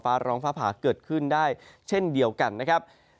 ฟ้าร้องฟ้าผ่าเกิดขึ้นได้เช่นเดียวกันนะครับ